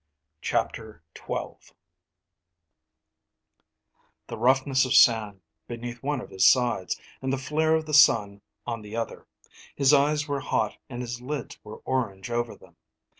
_ CHAPTER XII Roughness of sand beneath one of his sides, and the flare of the sun on the other. His eyes were hot and his lids were orange over them.